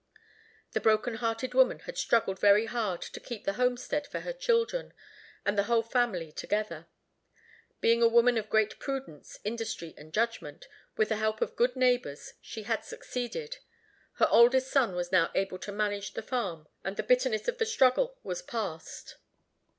The broken hearted woman had struggled very hard to keep the homestead for her children, and the whole family together. Being a woman of great prudence, industry, and judgment, with the help of good neighbors, she had succeeded. Her oldest son was now able to manage the farm, and the bitterness of the struggle was past.